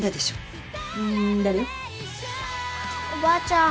おばあちゃん。